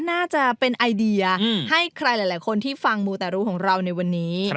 น่าจะเป็นไอเดียให้ใครหลายคนที่ฟังมูแต่รู้ของเราในวันนี้